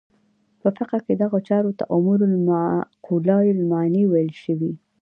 په فقه کې دغو چارو ته امور معقوله المعنی ویل شوي.